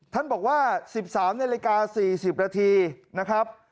ท่านบอกว่า๑๓นาฬิกา๔๐นาทีนะครับ